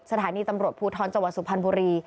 สถานีตำรวจภูทรจังหวัดสุพรรณบุรี